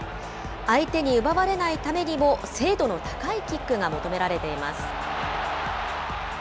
相手に奪われないためにも、精度の高いキックが求められています。